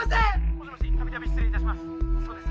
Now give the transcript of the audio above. もしもしたびたび失礼いたします。